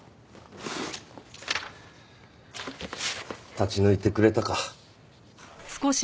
立ち退いてくれたか。